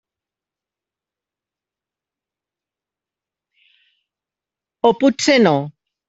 O potser no.